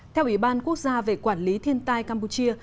theo ủy ban quốc gia về quản lý thiên tai campuchia